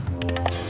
sampai jumpa lagi